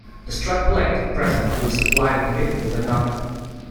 The struck plate, if present, would be supplied and fitted with the knocker.